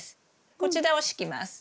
こちらを敷きます。